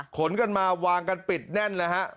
ขนกันมาวางกันปิดแน่นเลยฮะ